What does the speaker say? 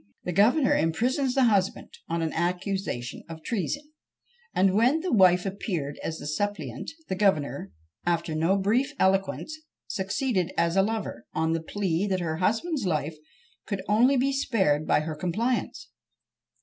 The governor imprisons the husband on an accusation of treason; and when the wife appeared as the suppliant, the governor, after no brief eloquence, succeeded as a lover, on the plea that her husband's life could only be spared by her compliance.